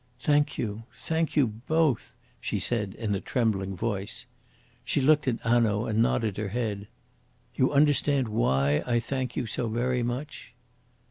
"Thank you! Thank you both!" she said in a trembling voice. She looked at Hanaud and nodded her head. "You understand why I thank you so very much?"